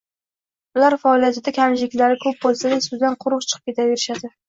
Ular faoliyatida kamchiliklari ko‘p bo‘lsa-da, suvdan quruq chiqib ketaverishadi.